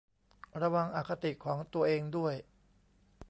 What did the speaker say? ระวังอคติของตัวเองด้วย